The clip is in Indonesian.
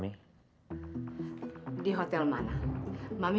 gak ada hasil apa apa lagi